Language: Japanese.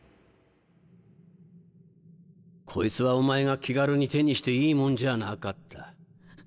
こいつはお前が気軽に手にしていいもんじゃなかった。